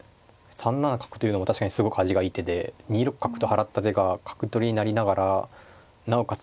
３七角というのも確かにすごく味がいい手で２六角と払った手が角取りになりながらなおかつ